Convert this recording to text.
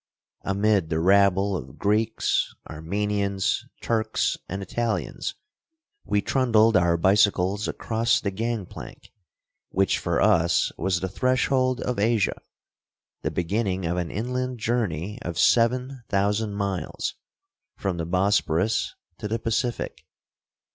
Amid the rabble of Greeks, Armenians, Turks, and Italians we trundled our bicycles across the gang plank, which for us was the threshold of Asia, the beginning of an inland journey of seven thousand miles from the Bosporus to the Pacific.